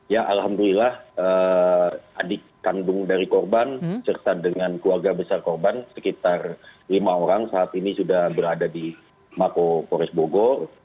ya alhamdulillah adik kandung dari korban serta dengan keluarga besar korban sekitar lima orang saat ini sudah berada di mako polres bogor